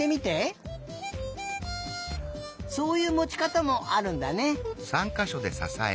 そういうもちかたもあるんだね。